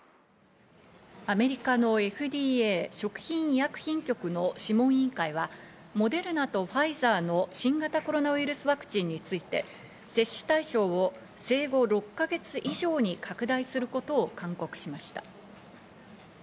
アメリカのＦＤＡ＝食品医薬品局の諮問委員会は、モデルナとファイザーの新型コロナウイルスワクチンについて、接種対象を生後６か月以上に拡大することを勧告しました。